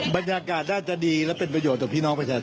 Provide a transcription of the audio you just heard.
บรรยากาศน่าจะดีและเป็นประโยชนต่อพี่น้องประชาชน